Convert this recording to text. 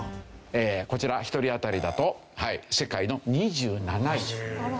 こちら１人当たりだと世界の２７位となりますね。